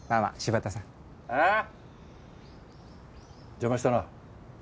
邪魔したな。